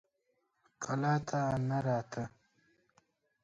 کلا ته نه راته.